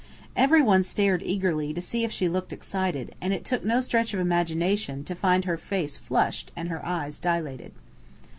Everyone stared eagerly to see if she looked excited, and it took no stretch of imagination to find her face flushed and her eyes dilated.